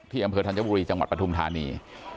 อำเภอธัญบุรีจังหวัดปฐุมธานี